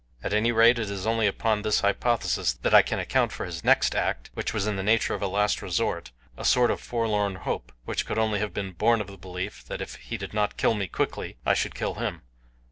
At any rate it is only upon this hypothesis that I can account for his next act, which was in the nature of a last resort a sort of forlorn hope, which could only have been born of the belief that if he did not kill me quickly I should kill him.